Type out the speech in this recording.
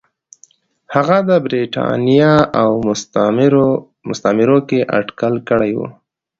هغه د برېټانیا او مستعمرو کې اټکل کړی و.